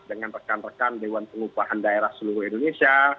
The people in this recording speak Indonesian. dengan rekan rekan dewan pengupahan daerah seluruh indonesia